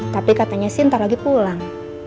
tapi katanya si ntar lagi pulang